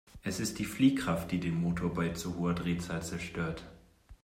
Es ist die Fliehkraft, die den Motor bei zu hoher Drehzahl zerstört.